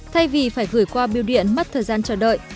thay vì phải gửi qua biêu điện mất thời gian chờ đợi